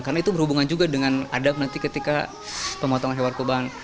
karena itu berhubungan juga dengan adab nanti ketika pemotongan hewan kurban